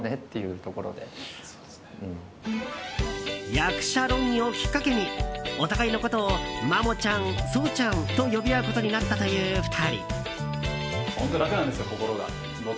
役者論議をきっかけにお互いのことをマモちゃん、蒼ちゃんと呼び合うことになったという２人。